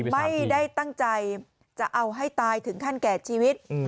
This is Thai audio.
ไม่ได้ตั้งใจจะเอาให้ตายถึงขั้นแก่ชีวิต